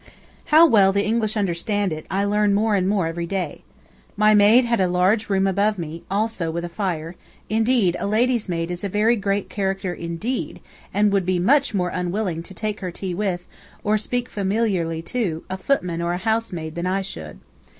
How well the English understand it, I learn more and more every day. My maid had a large room above me, also with a fire; indeed, a "lady's" maid is a very great character indeed, and would be much more unwilling to take her tea with, or speak familiarly to, a footman or a housemaid than I should.